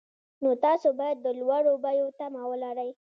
نو تاسو باید د لوړو بیو تمه ولرئ